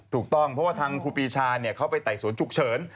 ถูกต้องเพราะว่าทางครูปีชาเขาไปไต่สวนฉุกเฉิน